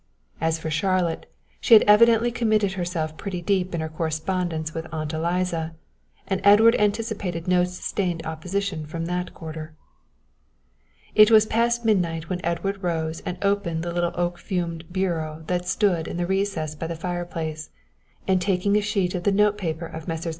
As for Charlotte, she had evidently committed herself pretty deeply in her correspondence with Aunt Eliza, and Edward anticipated no sustained opposition from that quarter. It was past midnight when Edward rose and opened the little fumed oak bureau that stood in the recess by the fire place, and taking a sheet of the notepaper of Messrs.